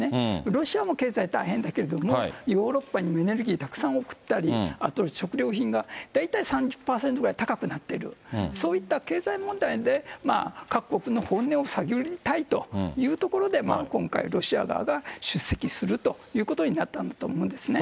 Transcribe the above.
ロシアも経済大変だけども、ヨーロッパにエネルギーたくさん送ったり、あと食料品が大体３０％ぐらい高くなってる、そういった経済問題で、各国の本音を探りたいというところで、今回ロシア側が出席するということになったんだと思うんですね。